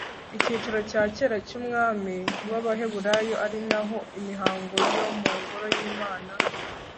icyicaro cya kera cyumwami wAbaheburayo ari naho imihango yo mu ngoro yImana